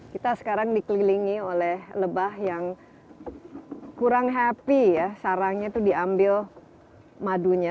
kita sekarang dikelilingi oleh lebah yang kurang happy ya sarangnya itu diambil madunya